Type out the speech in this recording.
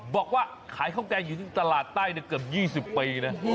บอกว่าขายข้าวแกงอยู่ที่ตลาดใต้เกือบ๒๐ปีนะ